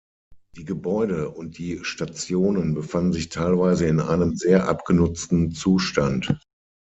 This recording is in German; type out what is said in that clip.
Die Gebäude und die Stationen befanden sich teilweise in einem sehr abgenutzten Zustand.